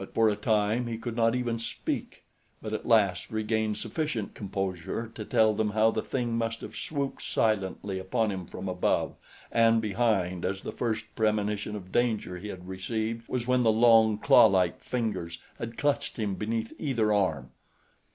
For a time he could not even speak, but at last regained sufficient composure to tell them how the thing must have swooped silently upon him from above and behind as the first premonition of danger he had received was when the long, clawlike fingers had clutched him beneath either arm.